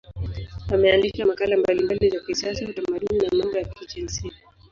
Ameandika makala mbalimbali za kisiasa, utamaduni na mambo ya kijinsia.